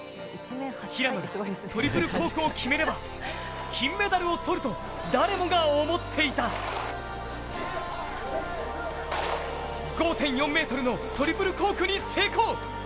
平野はトリプルコークを決めれば金メダルを取ると誰もが思っていた５．４ｍのトリプルコークに成功。